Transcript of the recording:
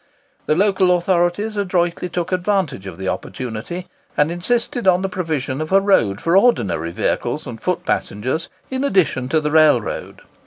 The local authorities adroitly took advantage of the opportunity, and insisted on the provision of a road for ordinary vehicles and foot passengers in addition to the railroad.